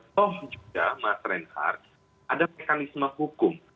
toh juga mas reinhardt ada mekanisme hukum